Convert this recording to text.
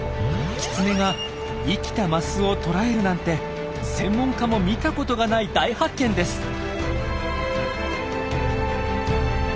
キツネが生きたマスを捕らえるなんて専門家も見たことがない大発見です。